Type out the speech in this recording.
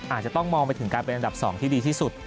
อาจจะต้องมองไปถึงการเป็นอันดับ๒ที่ดีที่สุด